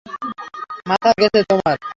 মাথা গেছে তোমার?